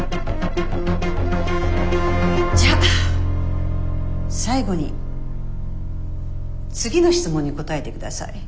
じゃあ最後に次の質問に答えて下さい。